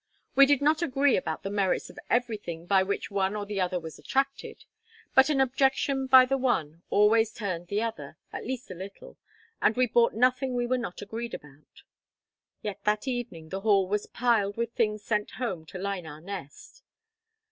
We did not agree about the merits of everything by which one or the other was attracted; but an objection by the one always turned the other, a little at least, and we bought nothing we were not agreed about. Yet that evening the hall was piled with things sent home to line our nest.